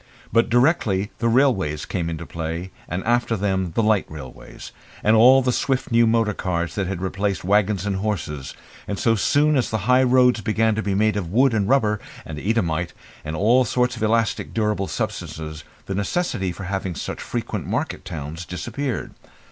But directly the railways came into play, and after them the light railways, and all the swift new motor cars that had replaced waggons and horses, and so soon as the high roads began to be made of wood, and rubber, and Eadhamite, and all sorts of elastic durable substances the necessity of having such frequent market towns disappeared.